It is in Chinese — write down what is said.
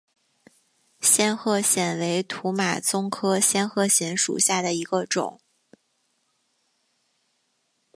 仙鹤藓为土马鬃科仙鹤藓属下的一个种。